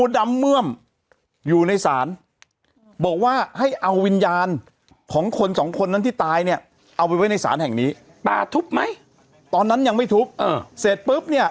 เรียกว่าศาลพ่อปู่นาคา